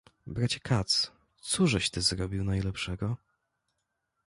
"bracie Katz, cóżeś ty zrobił najlepszego?..."